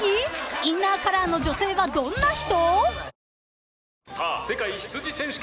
インナーカラーの女性はどんな人？］